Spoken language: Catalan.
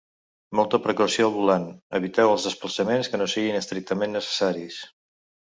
Molta precaució al volant, eviteu els desplaçaments que no siguin estrictament necessaris.